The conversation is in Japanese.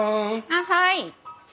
あっはい！